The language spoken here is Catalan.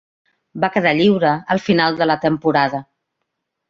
Va quedar lliure al final de la temporada.